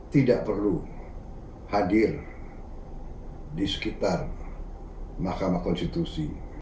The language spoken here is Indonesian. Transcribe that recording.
tidak perlu hadir di sekitar mahkamah konstitusi